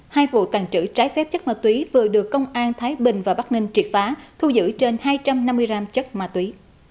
hai vụ tàn trữ trái phép chất ma túy vừa được công an thái bình và bắc ninh triệt phá thu giữ trên hai trăm năm mươi gram chất ma túy